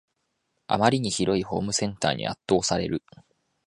あまりに広いホームセンターに圧倒される